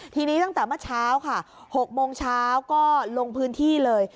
ทีนี้ตั้งแต่เมื่อเช้าค่ะ๖โมงเช้าก็ลงพื้นที่เลย